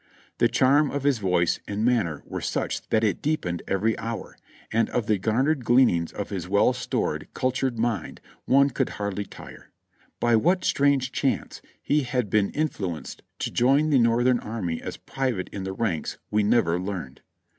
The charm of his voice and manner were such that it deepened every hour, and of the garnered gleanings of his well stored, cul tured mind one could hardly tire. By what strange chance he had been influenced to join the Northern Army as private in the ranks we never learned.